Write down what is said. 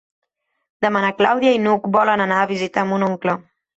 Demà na Clàudia i n'Hug volen anar a visitar mon oncle.